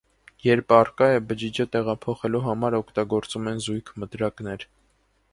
Երբ առկա է, բջիջը տեղափոխելու համար օգտագործվում են զույգ մտրակներ։